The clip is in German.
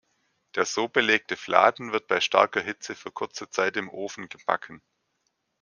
Der so belegte Fladen wird bei starker Hitze für kurze Zeit im Ofen gebacken.